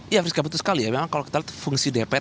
ya rizka betul sekali ya memang kalau kita lihat fungsi dpr